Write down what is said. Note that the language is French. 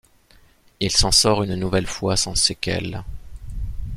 Il s'en sort une nouvelle fois sans séquelles.